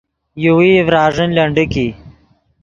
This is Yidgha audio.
یوویئی ڤراݱین لنڈیک ای